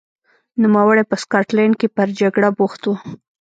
نوموړی په سکاټلند کې پر جګړه بوخت و.